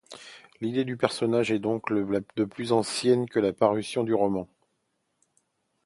L'idée du personnage est donc de plus ancienne que la parution du roman.